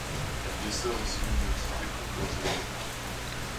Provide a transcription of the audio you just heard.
Elle dessert aussi l'université Concordia.